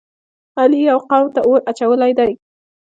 علی یوه قوم ته اور اچولی دی.